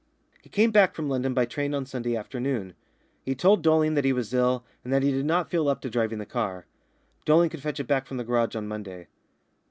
He came back from London by train on Sunday afternoon. He told Dolling that he was ill, and that he did not feel up to driving the car. Dolling could fetch it back from the garage on Monday.